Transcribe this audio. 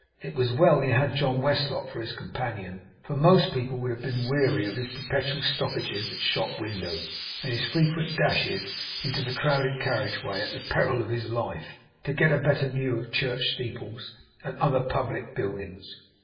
It was well he had John Westlock for his companion, for most people would have been weary of his perpetual stoppages at shop windows, and his frequent dashes into the crowded carriage way at the peril of his life, to get the better view of church steeples, and other public buildings.